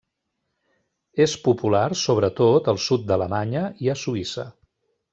És popular sobretot al sud d'Alemanya i a Suïssa.